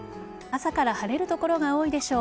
朝から晴れる所が多いでしょう。